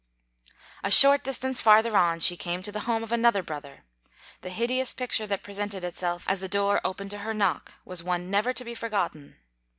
A short distance farther on, she came to the home of another brother. The hideous picture that pre sented itself as the door opened to her knock was one never to be forgotten.